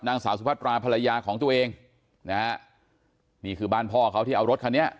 นางสาวสุพัตราภรรยาของตัวเองนะฮะนี่คือบ้านพ่อเขาที่เอารถคันนี้